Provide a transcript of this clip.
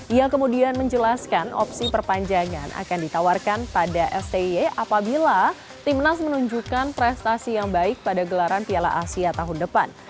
ia kemudian menjelaskan opsi perpanjangan akan ditawarkan pada sti apabila timnas menunjukkan prestasi yang baik pada gelaran piala asia tahun depan